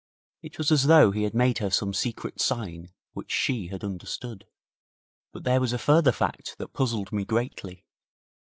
It was as though he had made her some secret sign which she had understood. But there was a further fact that puzzled me greatly.